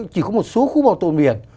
chỉ có một số khu bảo tồn biển